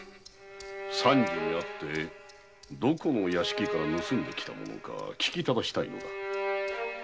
三次に会ってどこの屋敷から盗んで来たものか聞きただしたいのだ。